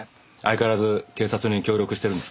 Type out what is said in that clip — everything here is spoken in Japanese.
相変わらず警察に協力してるんですか？